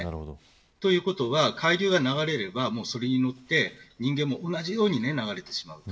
ということは海流が流れれば、それに乗って人間も同じように流れてしまう。